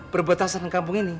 perbatasan kampung ini